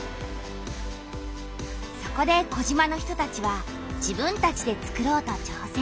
そこで児島の人たちは自分たちでつくろうとちょうせん！